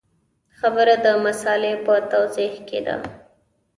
خبره د مسألې په توضیح کې ده.